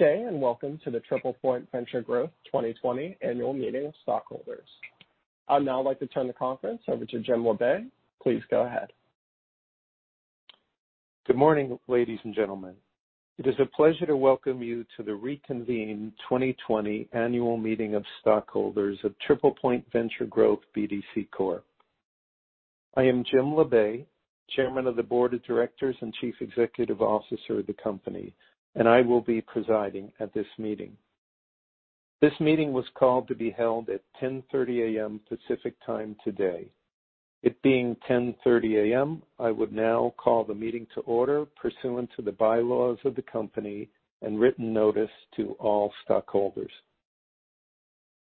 Good day, and welcome to the TriplePoint Venture Growth 2020 annual meeting of stockholders. I'd now like to turn the conference over to Jim Labe. Please go ahead. Good morning, ladies and gentlemen. It is a pleasure to welcome you to the reconvened 2020 annual meeting of stockholders of TriplePoint Venture Growth BDC Corp. I am Jim Labe, chairman of the board of directors and chief executive officer of the company, and I will be presiding at this meeting. This meeting was called to be held at 10:30 A.M. Pacific Time today. It being 10:30 A.M., I would now call the meeting to order pursuant to the bylaws of the company and written notice to all stockholders.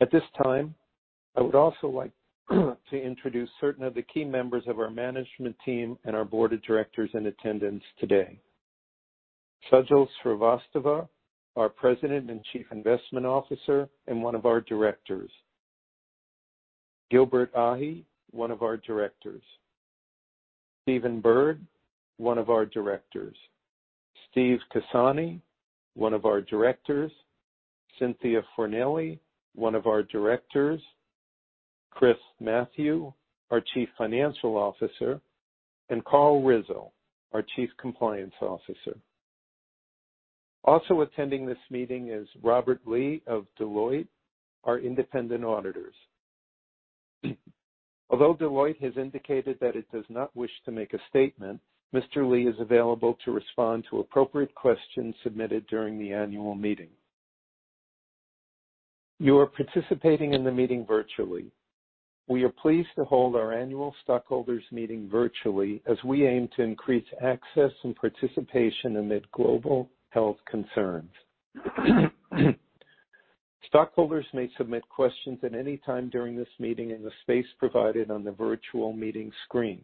At this time, I would also like to introduce certain of the key members of our management team and our board of directors in attendance today. Sajal Srivastava, our president and chief investment officer and one of our directors. Gilbert Ahye, one of our directors. Steven Bird, one of our directors. Steve Cassani, one of our directors. Cynthia Fornelli, one of our directors. Chris Mathieu, our Chief Financial Officer, and Carl Rizzo, our Chief Compliance Officer. Also attending this meeting is Robert Lee of Deloitte, our independent auditors. Although Deloitte has indicated that it does not wish to make a statement, Mr. Lee is available to respond to appropriate questions submitted during the annual meeting. You are participating in the meeting virtually. We are pleased to hold our annual stockholders meeting virtually as we aim to increase access and participation amid global health concerns. Stockholders may submit questions at any time during this meeting in the space provided on the virtual meeting screen.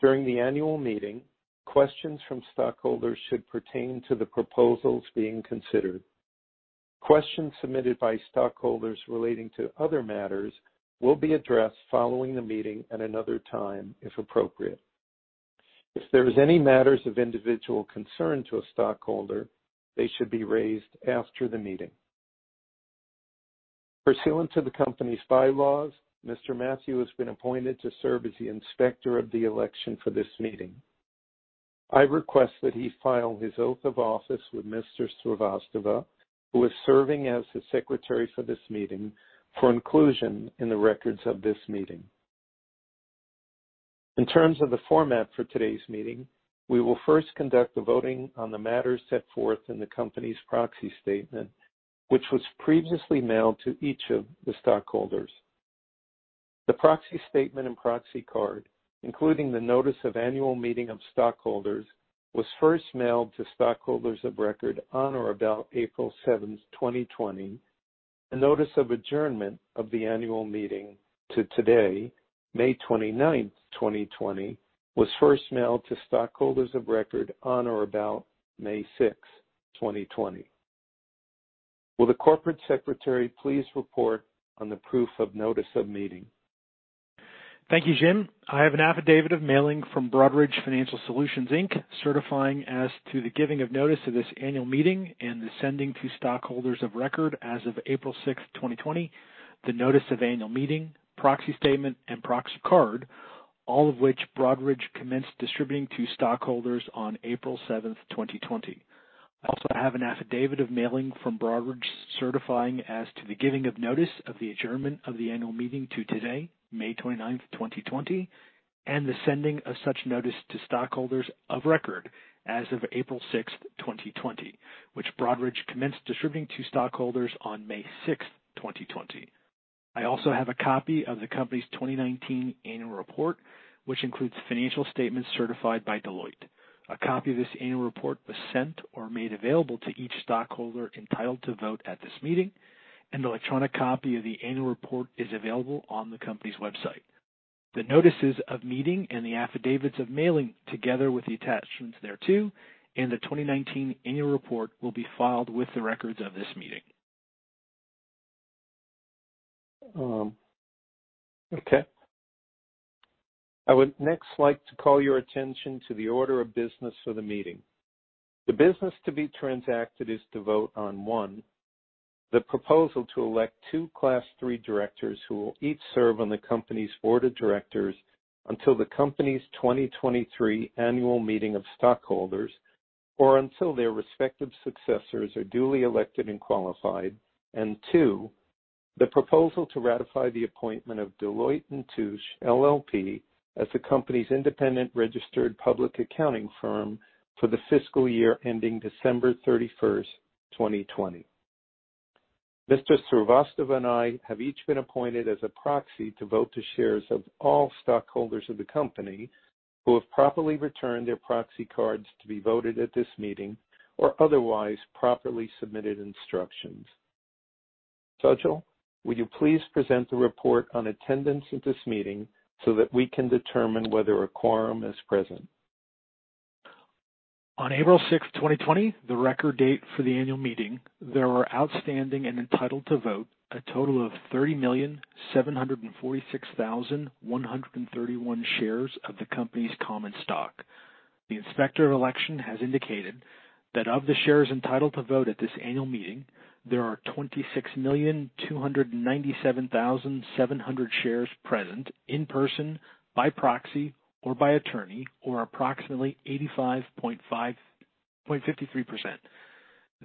During the annual meeting, questions from stockholders should pertain to the proposals being considered. Questions submitted by stockholders relating to other matters will be addressed following the meeting at another time if appropriate. If there is any matters of individual concern to a stockholder, they should be raised after the meeting. Pursuant to the company's bylaws, Mr. Mathieu has been appointed to serve as the inspector of the election for this meeting. I request that he file his oath of office with Mr. Srivastava, who is serving as the secretary for this meeting, for inclusion in the records of this meeting. In terms of the format for today's meeting, we will first conduct the voting on the matters set forth in the company's proxy statement, which was previously mailed to each of the stockholders. The proxy statement and proxy card, including the notice of annual meeting of stockholders, was first mailed to stockholders of record on or about April 7, 2020. A notice of adjournment of the annual meeting to today, May twenty-ninth, 2020, was first mailed to stockholders of record on or about May sixth, 2020. Will the corporate secretary please report on the proof of notice of meeting? Thank you, Jim. I have an affidavit of mailing from Broadridge Financial Solutions Inc., certifying as to the giving of notice of this annual meeting and the sending to stockholders of record as of April sixth, 2020, the notice of annual meeting, proxy statement, and proxy card, all of which Broadridge commenced distributing to stockholders on April seventh, 2020. I also have an affidavit of mailing from Broadridge certifying as to the giving of notice of the adjournment of the annual meeting to today, May twenty-ninth, 2020, and the sending of such notice to stockholders of record as of April sixth, 2020, which Broadridge commenced distributing to stockholders on May sixth, 2020. I also have a copy of the company's 2019 annual report, which includes financial statements certified by Deloitte. A copy of this annual report was sent or made available to each stockholder entitled to vote at this meeting, and the electronic copy of the annual report is available on the company's website. The notices of meeting and the affidavits of mailing, together with the attachments thereto, and the 2019 annual report will be filed with the records of this meeting. Okay. I would next like to call your attention to the order of business for the meeting. The business to be transacted is to vote on, one, the proposal to elect two class three directors who will each serve on the company's board of directors until the company's 2023 annual meeting of stockholders or until their respective successors are duly elected and qualified. Two, the proposal to ratify the appointment of Deloitte & Touche LLP as the company's independent registered public accounting firm for the fiscal year ending December 31st, 2020. Mr. Srivastava and I have each been appointed as a proxy to vote the shares of all stockholders of the company who have properly returned their proxy cards to be voted at this meeting or otherwise properly submitted instructions. Sajal, would you please present the report on attendance at this meeting so that we can determine whether a quorum is present? On April 6, 2020, the record date for the annual meeting, there are outstanding and entitled to vote a total of 30,746,131 shares of the company's common stock. The Inspector of Election has indicated that of the shares entitled to vote at this annual meeting, there are 26,297,700 shares present in person, by proxy, or by attorney, or approximately 85.53%.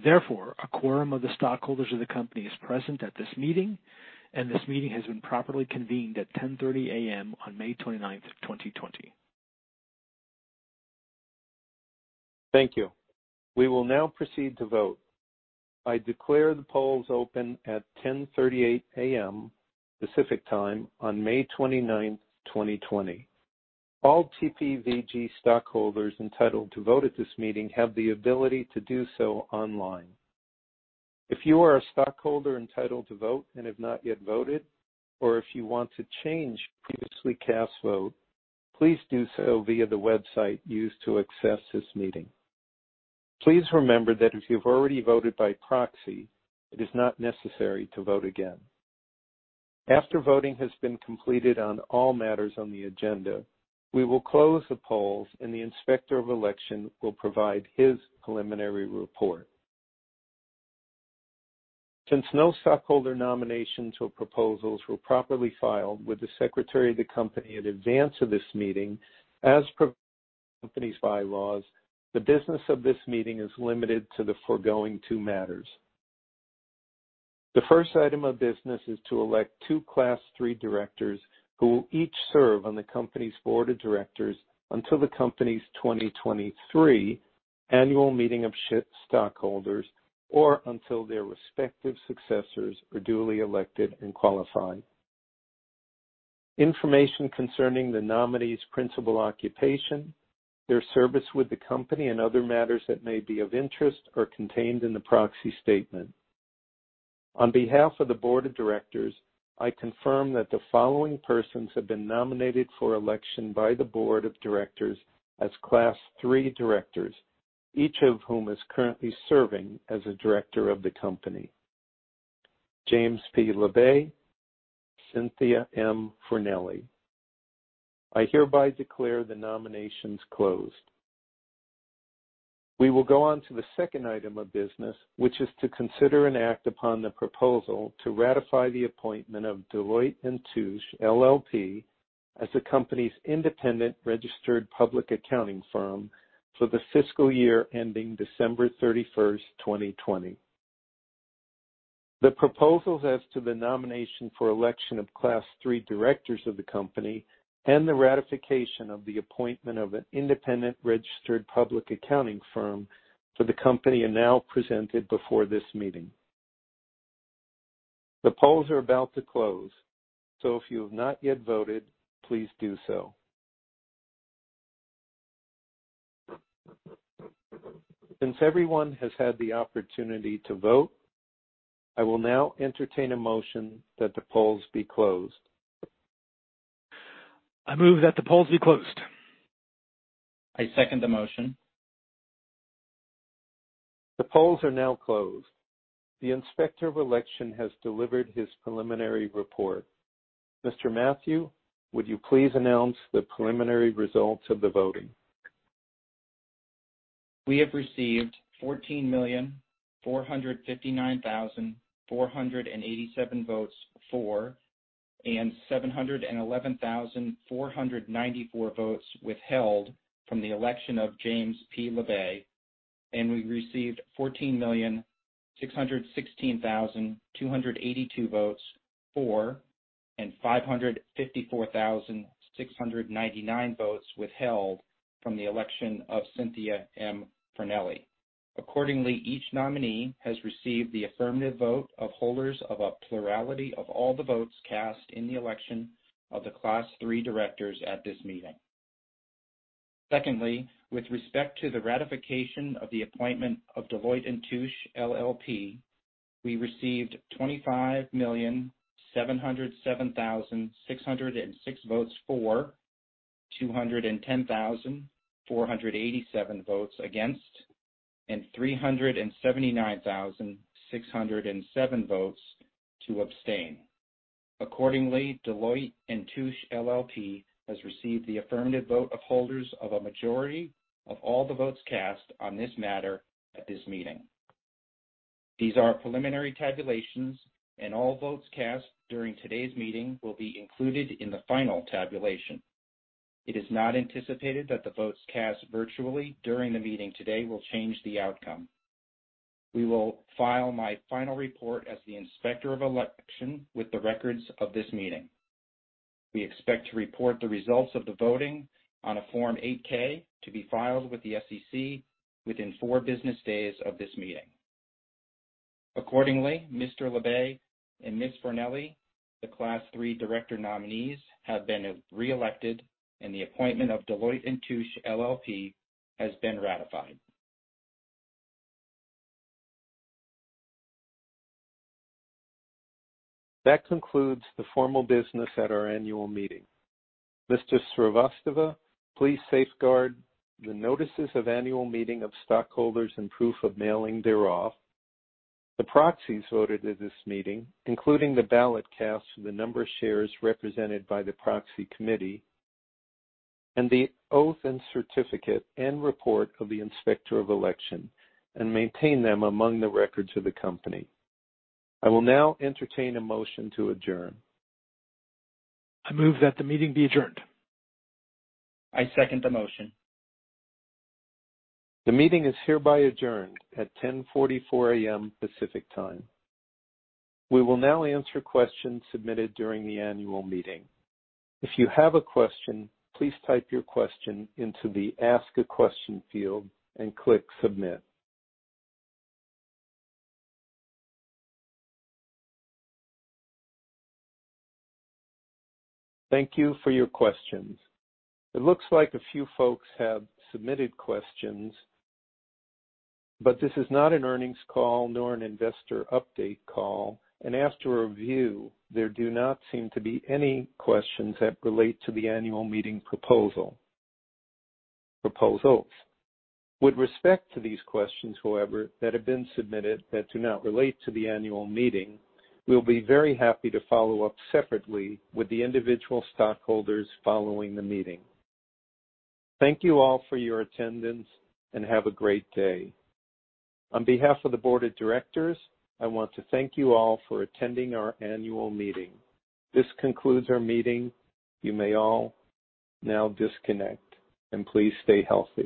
Therefore, a quorum of the stockholders of the company is present at this meeting, and this meeting has been properly convened at 10:30 A.M. on May 29, 2020. Thank you. We will now proceed to vote. I declare the polls open at 10:38 A.M. Pacific Time on May 29th, 2020. All TPVG stockholders entitled to vote at this meeting have the ability to do so online. If you are a stockholder entitled to vote and have not yet voted, or if you want to change a previously cast vote, please do so via the website used to access this meeting. Please remember that if you've already voted by proxy, it is not necessary to vote again. After voting has been completed on all matters on the agenda, we will close the polls and the Inspector of Election will provide his preliminary report. Since no stockholder nominations or proposals were properly filed with the Secretary of the company in advance of this meeting, as per the company's bylaws, the business of this meeting is limited to the foregoing two matters. The first item of business is to elect two class III directors who will each serve on the company's board of directors until the company's 2023 annual meeting of stockholders or until their respective successors are duly elected and qualified. Information concerning the nominees' principal occupation, their service with the company, and other matters that may be of interest are contained in the proxy statement. On behalf of the board of directors, I confirm that the following persons have been nominated for election by the board of directors as class III directors, each of whom is currently serving as a director of the company. James P. Labe, Cynthia M. Fornelli. I hereby declare the nominations closed. We will go on to the second item of business, which is to consider and act upon the proposal to ratify the appointment of Deloitte & Touche LLP as the company's independent registered public accounting firm for the fiscal year ending December 31, 2020. The proposals as to the nomination for election of class III directors of the company and the ratification of the appointment of an independent registered public accounting firm for the company are now presented before this meeting. The polls are about to close. If you have not yet voted, please do so. Since everyone has had the opportunity to vote, I will now entertain a motion that the polls be closed. I move that the polls be closed. I second the motion. The polls are now closed. The Inspector of Election has delivered his preliminary report. Mr. Mathieu, would you please announce the preliminary results of the voting? We have received 14,459,487 votes for and 711,494 votes withheld from the election of James P. Labe, and we received 14,616,282 votes for and 554,699 votes withheld from the election of Cynthia M. Fornelli. Accordingly, each nominee has received the affirmative vote of holders of a plurality of all the votes cast in the election of the class III directors at this meeting. Secondly, with respect to the ratification of the appointment of Deloitte & Touche LLP, we received 25,707,606 votes for, 210,487 votes against, and 379,607 votes to abstain. Accordingly, Deloitte & Touche LLP has received the affirmative vote of holders of a majority of all the votes cast on this matter at this meeting. These are preliminary tabulations. All votes cast during today's meeting will be included in the final tabulation. It is not anticipated that the votes cast virtually during the meeting today will change the outcome. We will file my final report as the Inspector of Election with the records of this meeting. We expect to report the results of the voting on a Form 8-K to be filed with the SEC within four business days of this meeting. Accordingly, Mr. Labe and Ms. Fornelli, the class III director nominees, have been reelected, and the appointment of Deloitte & Touche LLP has been ratified. That concludes the formal business at our annual meeting. Mr. Srivastava, please safeguard the notices of annual meeting of stockholders and proof of mailing thereof, the proxies voted at this meeting, including the ballot cast for the number of shares represented by the proxy committee, and the oath and certificate and report of the Inspector of Election, and maintain them among the records of the company. I will now entertain a motion to adjourn. I move that the meeting be adjourned. I second the motion. The meeting is hereby adjourned at 10:44 A.M. Pacific Time. We will now answer questions submitted during the annual meeting. If you have a question, please type your question into the Ask a Question field and click Submit. Thank you for your questions. It looks like a few folks have submitted questions, but this is not an earnings call nor an investor update call. After review, there do not seem to be any questions that relate to the annual meeting proposals. With respect to these questions, however, that have been submitted that do not relate to the annual meeting, we'll be very happy to follow up separately with the individual stockholders following the meeting. Thank you all for your attendance, and have a great day. On behalf of the board of directors, I want to thank you all for attending our annual meeting. This concludes our meeting. You may all now disconnect and please stay healthy.